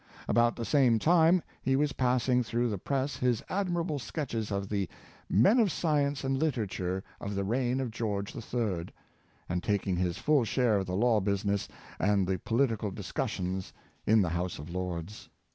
About the same time, he was passing through the press his admirable sketches of the " Men of Science and Literature of the Reign of George III.," and taking his full share of the law business and the political discus sions in the House of Lords.